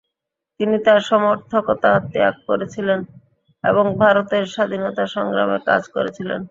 তিনি তার সমর্থকতা ত্যাগ করেছিলেন এবং ভারতের স্বাধীনতা সংগ্রামে কাজ করেছিলেন।